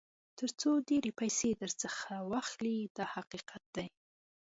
تر څو ډېرې پیسې درڅخه واخلي دا حقیقت دی.